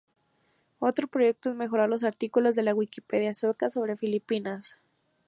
Otro proyecto es mejorar los artículos de la Wikipedia sueca sobre Filipinas.